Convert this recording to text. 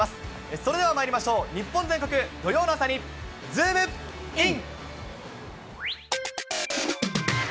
それではまいりましょう、日本全国、土曜の朝にズームイン！！